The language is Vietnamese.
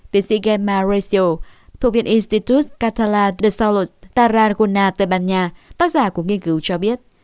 tiến sĩ gemma recio thuộc viện institute catala de salud tarragona tây ban nha tác giả của nghiên cứu cho biết